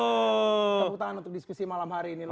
tepuk tangan untuk diskusi malam hari ini